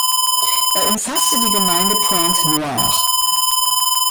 Er umfasste die Gemeinde Pointe-Noire.